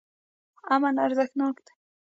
امن ارزښتناک دی.